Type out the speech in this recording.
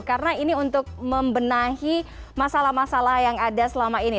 karena ini untuk membenahi masalah masalah yang ada selama ini